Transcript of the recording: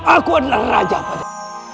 aku adalah raja pada